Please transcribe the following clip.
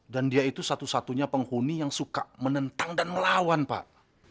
dan dia itu satu satunya penghuni yang suka menentang dan melawan pak